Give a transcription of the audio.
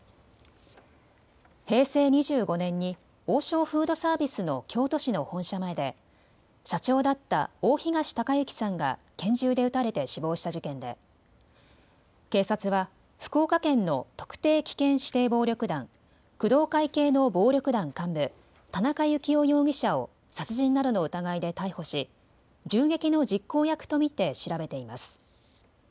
平成２５年に王将フードサービスの京都市の本社前で社長だった大東隆行さんが拳銃で撃たれて死亡した事件で警察は福岡県の特定危険指定暴力団工藤会系の暴力団幹部、田中幸雄容疑者を殺人などの疑いで逮捕し銃撃の実行役と見て調べています。